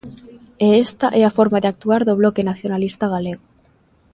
E esta é a forma de actuar do Bloque Nacionalista Galego.